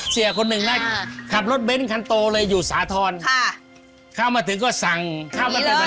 เชี่ยคนหนึ่งนะครับรถเบนต์ขันโตเลยอยู่สาธรณ์ค่ะข้าวมาถึงก็สั่งค่ะ